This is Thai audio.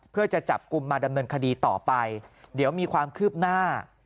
เพื่อจะจับกลุ่มมาดำเนินคดีต่อไปเดี๋ยวมีความคืบหน้า